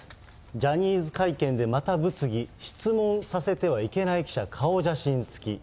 ジャニーズ会見でまた物議、質問させてはいけない記者、顔写真付き。